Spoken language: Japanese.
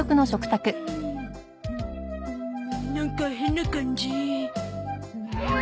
なんか変な感じ。